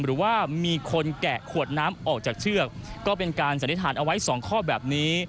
หรือว่ามีคนแกะขวดน้ำออกจากเชือกก็เป็นการสันนิษฐานเอาไว้สองข้อแบบนี้